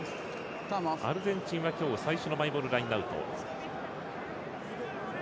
アルゼンチンは今日最初のマイボールラインアウト。